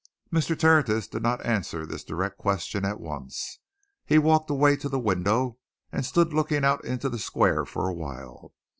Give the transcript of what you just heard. Mr. Tertius did not answer this direct question at once. He walked away to the window and stood looking out into the square for a while.